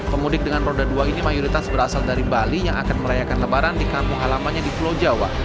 pemudik dengan roda dua ini mayoritas berasal dari bali yang akan merayakan lebaran di kampung halamannya di pulau jawa